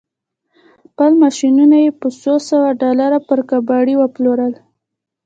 خپل ماشينونه يې په څو سوه ډالر پر کباړي وپلورل.